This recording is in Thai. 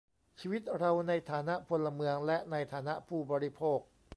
ชีวิตเราในฐานะพลเมืองและในฐานะผู้บริโภค